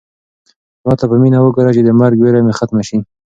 ما ته په مینه وګوره چې د مرګ وېره مې ختمه شي.